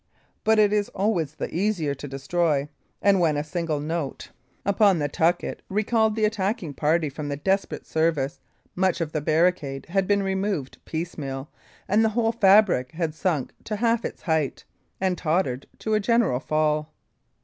But it is always the easier to destroy; and when a single note upon the tucket recalled the attacking party from this desperate service, much of the barricade had been removed piecemeal, and the whole fabric had sunk to half its height, and tottered to a general fall.